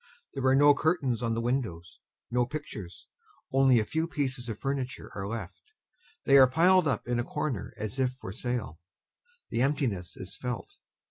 There are no curtains on the windows, no pictures; only a few pieces of furniture are left; they are piled up in a corner as if for sale. The emptiness is felt.